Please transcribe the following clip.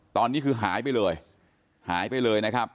ตอนนี้คือหายไปเลยหายไปเลยนะครับ